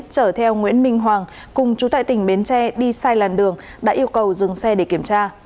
chở theo nguyễn minh hoàng cùng chú tại tỉnh bến tre đi sai làn đường đã yêu cầu dừng xe để kiểm tra